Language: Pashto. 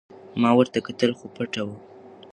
ما ورته کتل خو پټه وه.